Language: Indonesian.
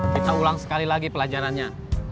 kita ulang sekali lagi pelajarannya